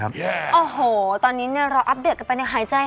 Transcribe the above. โอ้โหตอนนี้นี่เราอัพเดิกไปสักในหายใจ